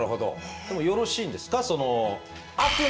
でもよろしいんですか？